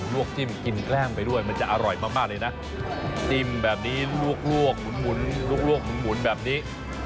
ลวกหมุนแบบนี้